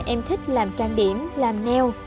em thích làm trang điểm làm neo